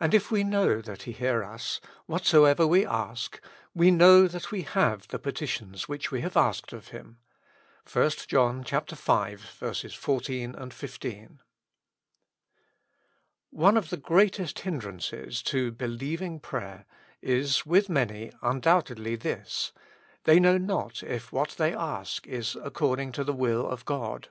Attd if we know that He hear us, WHATSO EVER WE ASK, we know that wE HAVE THE PETITIONS which we have asked of Him. — i John v. 14, 15. ONE of the greatest hindrances to believing prayer is with many undoubtedly this : they know not if what they ask is according to the will of God.